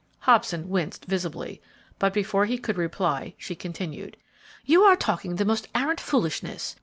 Hobson winced visibly, but before he could reply she continued: "You are talking the most arrant foolishness.